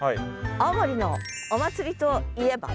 青森のお祭りといえば？